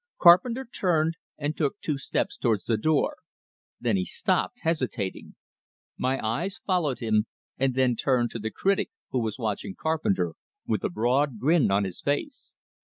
Carpenter turned, and took two steps towards the door; then he stopped, hesitating. My eyes followed him, and then turned to the critic, who was watching Carpenter, with a broad grin on his face.